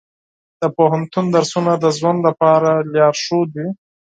د پوهنتون درسونه د ژوند لپاره لارښود وي.